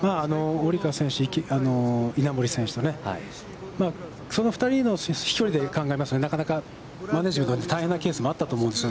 堀川選手、稲森選手とね、その２人の飛距離で考えますと、なかなかマネジメント大変なケースがあったと思います。